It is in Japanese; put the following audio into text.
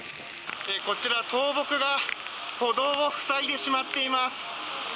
こちら、倒木が歩道を塞いでしまっています。